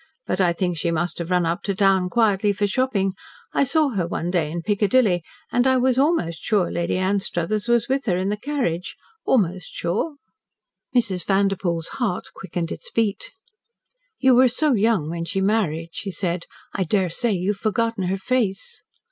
But I think she must have run up to town quietly for shopping. I saw her one day in Piccadilly, and I was almost sure Lady Anstruthers was with her in the carriage almost sure." Mrs. Vanderpoel's heart quickened its beat. "You were so young when she married," she said. "I daresay you have forgotten her face."